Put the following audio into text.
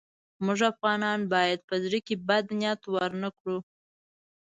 موږ افغانان باید په زړه کې بد نیت ورنه کړو.